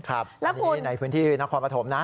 อันนี้ในพื้นที่นครปฐมนะ